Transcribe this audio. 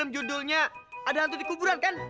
judulnya ada nanti di kuburan kan